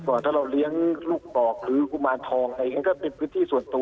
เวลาถ้าเกิดไปไปที่อุ้มลูกเทพไปก็มีผลทั้งด้านหึงใจเขาใช่ไหมครับ